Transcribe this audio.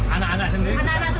anak anak sendiri suka